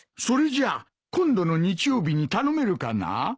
それじゃあ今度の日曜日に頼めるかな？